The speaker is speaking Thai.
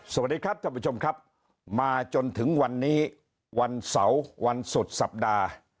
สวัสดีครับท่านผู้ชมครับมาจนถึงวันนี้วันเสาร์วันสุดสัปดาห์